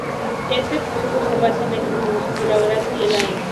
Este proceso se basa en la incompatibilidad de la grasa y el agua.